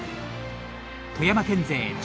富山県勢